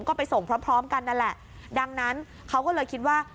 ก็ไปส่งพร้อมพร้อมกันนั่นแหละดังนั้นเขาก็เลยคิดว่า